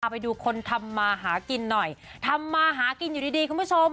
ไปดูคนทำมาหากินหน่อยทำมาหากินอยู่ดีคุณผู้ชม